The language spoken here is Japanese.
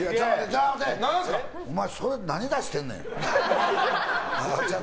お前、それ何出してんねん！